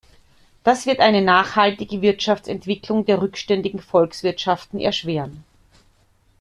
Das wird eine nachhaltige Wirtschaftsentwicklung der rückständigen Volkswirtschaften erschweren.